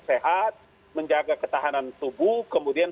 sehat menjaga ketahanan tubuh kemudian